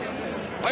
はい！